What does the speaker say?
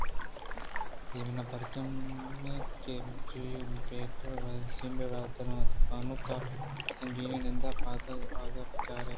دیوان برجم اَت کہ جیوپیٹر ءَ وینس ءَ را درّائینت بانُک ءِسنگینیں نند ءُ پاد آہگاں بِہ چار